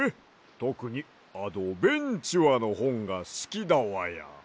とくに「あどべんちゅあ」のほんがすきだわや！